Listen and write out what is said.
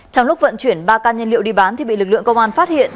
trong lúc vận chuyển ba can nhiên liệu đi bán thì bị lực lượng công an phát hiện